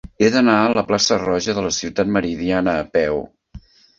He d'anar a la plaça Roja de la Ciutat Meridiana a peu.